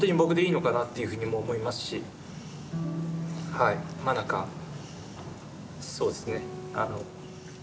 はいまあ何かそうですね。